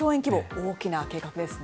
大きな計画ですね。